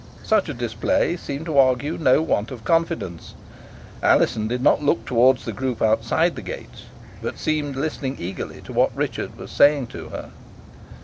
Such a display seemed to argue no want of confidence. Alizon did not look towards the group outside the gates, but seemed listening eagerly to what Richard was saying to her.